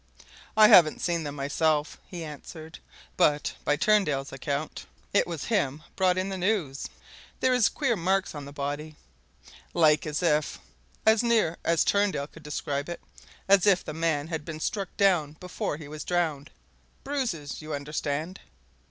"I haven't seen them myself," he answered. "But by Turndale's account it was him brought in the news there is queer marks on the body. Like as if as near as Turndale could describe it as if the man had been struck down before he was drowned. Bruises, you understand."